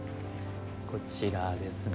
こちらですね。